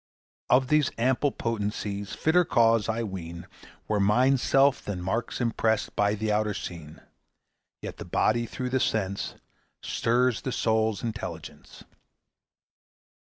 Of these ample potencies Fitter cause, I ween, Were Mind's self than marks impressed By the outer scene. Yet the body through the sense Stirs the soul's intelligence.